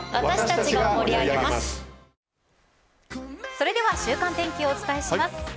それでは週間天気をお伝えします。